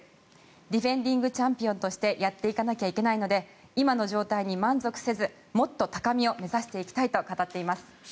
ディフェンディングチャンピオンとしてやっていかなきゃいけないので今の状態に満足せずもっと高みを目指していきたいと語っています。